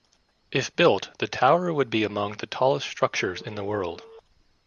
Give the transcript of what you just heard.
If built the tower would be among the tallest structures in the world.